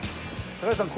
高橋さん